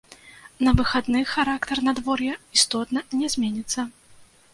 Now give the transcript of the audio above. На выхадных характар надвор'я істотна не зменіцца.